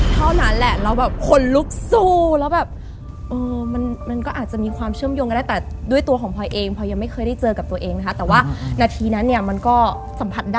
เท่านั้นแหละเราแบบ